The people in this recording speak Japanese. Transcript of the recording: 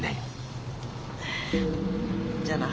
じゃあな。